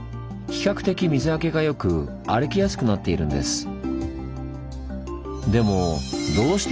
比較的水はけがよく歩きやすくなっているんです。